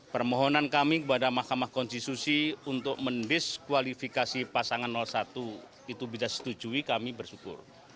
permohonan kami kepada mahkamah konstitusi untuk mendiskualifikasi pasangan satu itu bisa setujui kami bersyukur